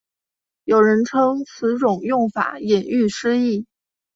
有人称此种用法引喻失义。